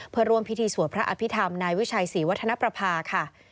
เพื่อร่วมพิธีสวดพระอภิษฐรรมนายวิชัยศรีวัฒนประภาค่ะ